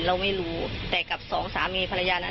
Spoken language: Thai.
เพราะไม่เคยถามลูกสาวนะว่าไปทำธุรกิจแบบไหนอะไรยังไง